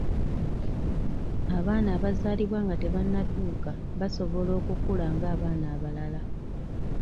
Abaana abazaalibwa nga tebannatuuka basobola okukula ng'abaana abalala .